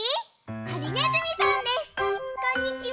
こんにちは。